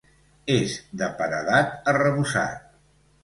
És de paredat arrebossat.